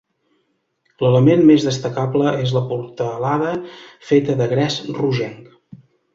L'element més destacable és la portalada, feta de gres rogenc.